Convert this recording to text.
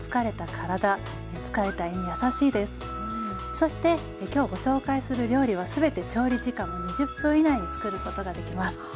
そして今日ご紹介する料理は全て調理時間も２０分以内につくることができます。